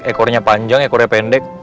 ekornya panjang ekornya pendek